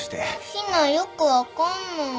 陽菜よく分かんない。